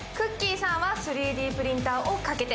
さんは３Ｄプリンターをかけて、